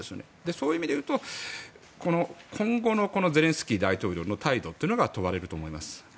そういう意味でいうと今後のゼレンスキー大統領の態度というのが問われると思います。